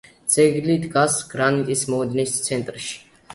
ძეგლი დგას გრანიტის მოედნის ცენტრში.